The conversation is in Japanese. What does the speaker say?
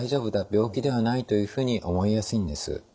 「病気ではない」というふうに思いやすいんです。